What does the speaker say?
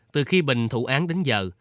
từ khi bình thủ án đến giờ